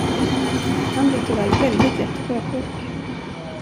Han blir tyvärr väldigt lätt sjösjuk.